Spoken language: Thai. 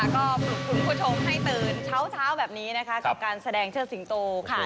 ก็คุณผู้ชมให้ตื่นเช้าแบบนี้นะคะกับการแสดงเชิดสิงโตค่ะ